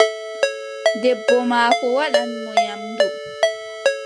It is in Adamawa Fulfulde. Debbo maako waddani mo nyamndu.